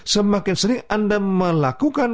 semakin sering anda melakukan